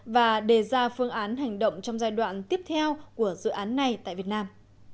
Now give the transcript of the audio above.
và đề ra phương án hành động trong giai đoạn tiếp theo của dự án này tại việt nam